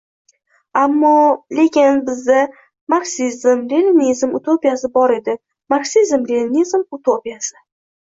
Ammo-lekin bizda... marksizm-leninizm utopiyasi bor edi, marksizm-leninizm utopiyasi!